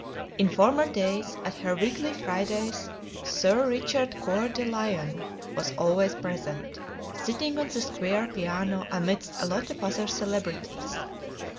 In former days, at her weekly Fridays, Sir Richard Coeur de Lion was always present, sitting on the square piano amidst a lot of other celebrities.